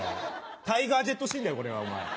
タイガー・ジェット・シンだよこれはお前。